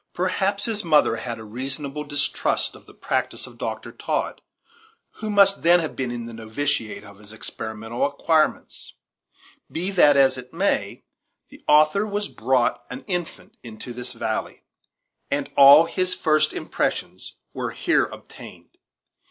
Perhaps his mother had a reasonable distrust of the practice of Dr Todd, who must then have been in the novitiate of his experimental acquirements. Be that as it may, the author was brought an infant into this valley, and all his first impressions were here obtained.